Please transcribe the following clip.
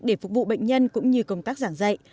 để phục vụ bệnh nhân cũng như công tác giảng dạy